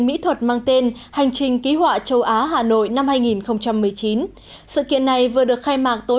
mỹ thuật mang tên hành trình ký họa châu á hà nội năm hai nghìn một mươi chín sự kiện này vừa được khai mạc tối